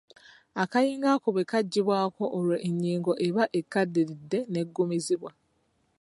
Akayingo ako bwe kaggyibwawo olwo ennyingo eba ekaddiridde n’eggumizibwa